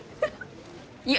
いや。